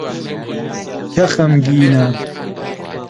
کە خەمگینە